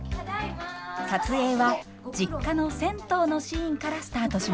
撮影は実家の銭湯のシーンからスタートしました。